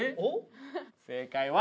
正解は。